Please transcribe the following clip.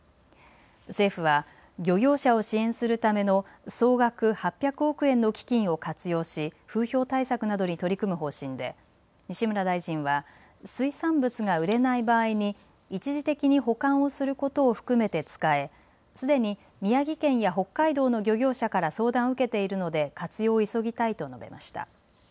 政府は漁業者を支援するための総額８００億円の基金を活用し風評対策などに取り組む方針で西村大臣は水産物が売れない場合に一時的に保管をすることを含めて使え、すでに宮城県や北海道の漁業者から相談を受けているので活用を急ぎたいと述べました。